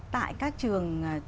tại các trường